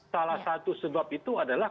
salah satu sebab itu adalah